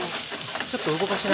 ちょっと動かしながら。